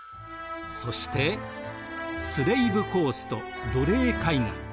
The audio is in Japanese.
そしてスレーヴコースト奴隷海岸。